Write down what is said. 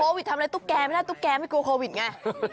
วิททำอะไรตุ๊กแกไม่ได้ตุ๊กแกไม่กลัวโควิดไง